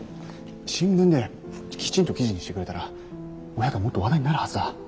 新聞できちんと記事にしてくれたらお百はもっと話題になるはずだ。